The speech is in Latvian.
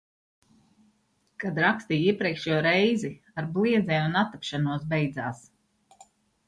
Kad rakstīju iepriekšējo reizi, ar bliezienu un attapšanos beidzās.